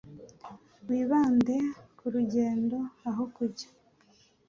Wibande ku rugendo, aho kujya.